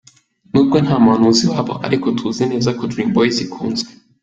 Nubwo nta muhanuzi iwabo ariko tuzi neza ko Dream Boyz ikunzwe.